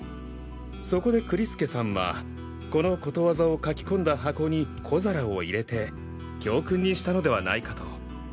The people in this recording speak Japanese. そこで栗介さんはこのことわざを書き込んだ箱に小皿を入れて教訓にしたのではないかと。